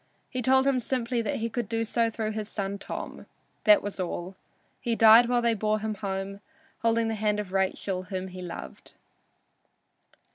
He told him simply that he could do so through his son Tom. This was all. He died while they bore him home, holding the hand of Rachel, whom he loved.